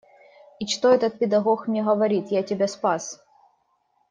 И что этот педагог мне говорит: я тебя спас.